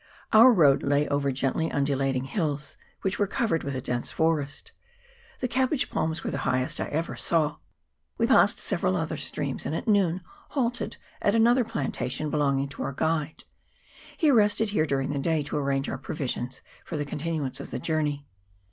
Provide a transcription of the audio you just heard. Our road lay over gently undulating hills, which were covered with a dense forest. The cabbage palms were the highest I ever saw. We passed several other streams, and at noon halted at another plant ation belonging to our guide. He rested here during the day to arrange our provisions for the continuance of the journey.